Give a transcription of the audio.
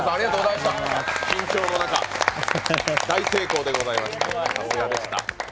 緊張の中、大成功でございました。